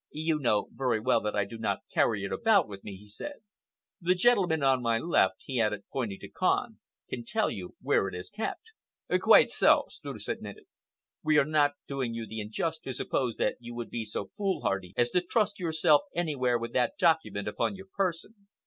"You know very well that I do not carry it about with me," he said. "The gentleman on my left," he added, pointing to Kahn, "can tell you where it is kept." "Quite so," Streuss admitted. "We are not doing you the injustice to suppose that you would be so foolhardy as to trust yourself anywhere with that document upon your person.